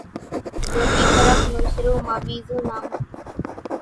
جھوتي پرٻ نون شرُو مان ٻيزون نام ھتون